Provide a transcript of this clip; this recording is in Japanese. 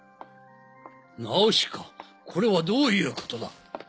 ナウシカこれはどういうことだ。